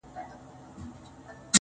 کلونه کیږي چي مي هېره ده د یار کوڅه,